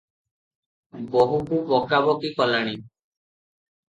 ବୋହୂକୁ ବକାବକି କଲାଣି ।